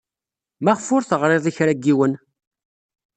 Maɣef ur teɣrid i kra n yiwen?